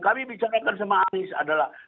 kami mengatakan dengan anies adalah